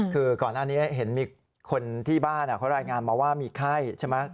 คือก่อนหน้านี้เห็นมีคนที่บ้านเขารายงานมาว่ามีไข้ใช่ไหม